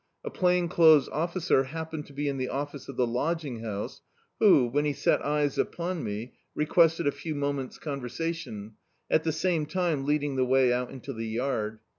A plain clothes officer happened to be in the office of the lodging house, who, when he set eyes upon me, requested a few moments conversation, at the same time leading the way out into the yard.